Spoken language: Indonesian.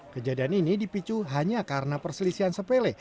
kejadian ini dipicu hanya karena perselisihan sepele